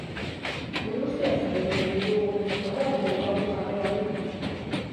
Gure usteak sendotu nahi ditugu, horregatik daukagu jarrera hori.